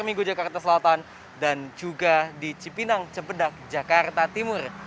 di minggu jakarta selatan dan juga di cipinang cepedak jakarta timur